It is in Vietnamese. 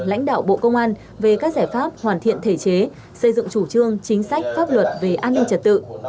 lãnh đạo bộ công an về các giải pháp hoàn thiện thể chế xây dựng chủ trương chính sách pháp luật về an ninh trật tự